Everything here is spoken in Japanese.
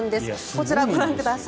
こちらをご覧ください。